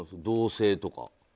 同棲とか。